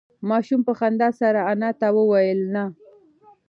ماشوم په خندا سره انا ته وویل نه.